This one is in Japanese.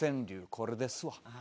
これですわ」